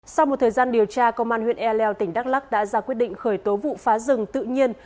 sau một thời gian điều tra công an huyện e leo tỉnh đắk lắc đã ra quyết định khởi tố vụ phá rừng tự nhiên